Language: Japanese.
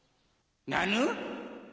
なぬ！？